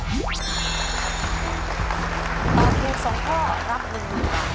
ตอบถูก๒ข้อรับ๑๐๐๐บาท